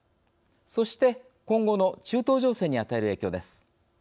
そして今後の中東情勢に与える影響です。